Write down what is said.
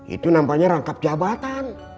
itu nampaknya rangkap jabatan